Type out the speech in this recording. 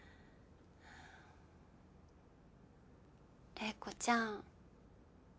怜子ちゃん。